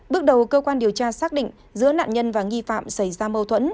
bước đầu cơ quan điều tra xác định giữa nạn nhân và nghi phạm xảy ra mâu thuẫn